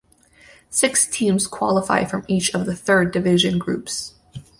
Six teams qualify from each of the Third Division groups.